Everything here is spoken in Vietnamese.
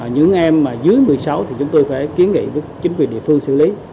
những em mà dưới một mươi sáu thì chúng tôi phải kiến nghị với chính quyền địa phương xử lý